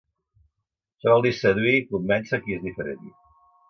Això vol dir seduir i convèncer qui és diferent.